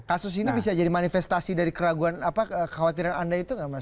kasus ini bisa jadi manifestasi dari keraguan apa kekhawatiran anda itu nggak mas